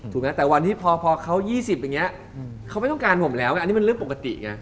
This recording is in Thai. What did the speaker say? แม้แต่วันที่พอเขา๒๐อย่างนี้เขาไม่ต้องการผมแล้วไงอันนี้มันเรื่องปกติไง